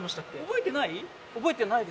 覚えてない？